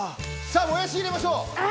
さぁもやし入れましょう！